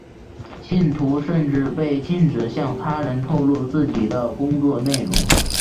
信徒甚至被禁止向他人透露自己的工作内容。